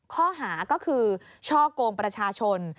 ข้อหาก็คือช่อกงประชาชน